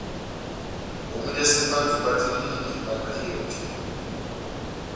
Homwidɛsɛ mba jumba tɛ́h dihinɛ ivahakandi ihɔjɔ.